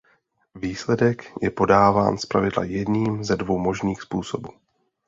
Výsledek je podáván zpravidla jedním ze dvou možných způsobů.